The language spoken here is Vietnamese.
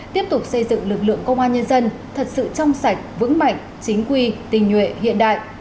tiếp tục xây dựng lực lượng công an nhân dân thật sự trong sạch vững mạnh chính quy tình nhuệ hiện đại